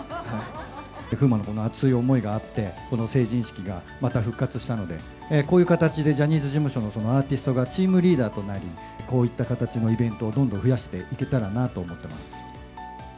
風磨のこの熱い思いがあって、この成人式がまた復活したので、こういう形で、ジャニーズ事務所のアーティストがチームリーダーとなり、こういった形のイベントをどんどん増やしていけたらなと思ってます。